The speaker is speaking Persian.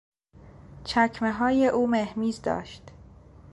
چکمههای او مهمیز داشت.